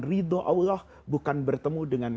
ridho allah bukan bertemu dengan